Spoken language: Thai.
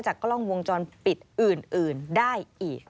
กล้องวงจรปิดอื่นได้อีก